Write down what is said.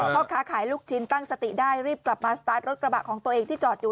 พ่อค้าขายลูกชิ้นตั้งสติได้รีบกลับมาสตาร์ทรถกระบะของตัวเองที่จอดอยู่